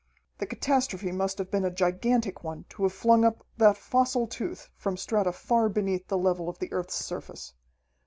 The catastrophe must have been a gigantic one to have flung up that fossil tooth from strata far beneath the level of the earth's surface.